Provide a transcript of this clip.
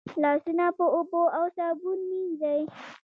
لاسونه په اوبو او صابون مینځئ.